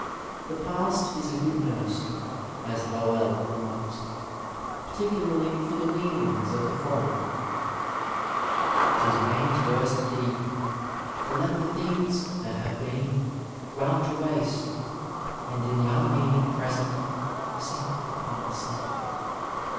The past is a good nurse, as Lowell remarks, particularly for the weanlings of the fold. 'Tis man's worst deed To let the things that have been, run to waste And in the unmeaning Present sink the Past.